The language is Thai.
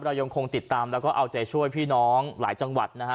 ยังคงติดตามแล้วก็เอาใจช่วยพี่น้องหลายจังหวัดนะฮะ